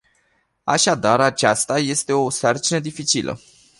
Așadar, aceasta este o sarcină dificilă.